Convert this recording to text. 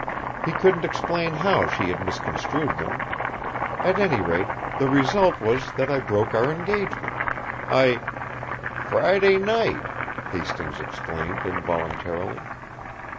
He couldn't explain how she had misconstrued them. At any rate, the result was that I broke our engagement. I " "Friday night!" Hastings exclaimed involuntarily.